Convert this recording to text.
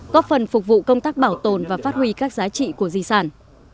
góp phần phục vụ công tác bảo tồn và phát huy các giá trị của di sản